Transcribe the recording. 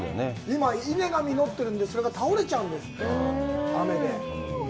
今、稲が実っているので、それが倒れちゃうんです、雨で。